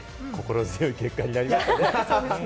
心強い結果になりましたね。